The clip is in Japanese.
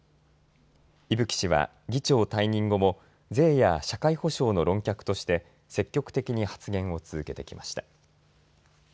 伊吹氏は議長退任後も税や社会保障の論客として積極的に発言を続けてきました。